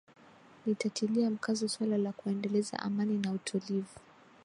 nitatilia mkazo swala la kuendeleza amani na utulivu